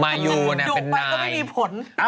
มายูน่ะเป็นนายดุไปก็ไม่มีผล